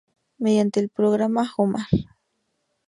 Mediante el programa "Homar".